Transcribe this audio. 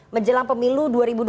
menjelang pemilu dua ribu dua puluh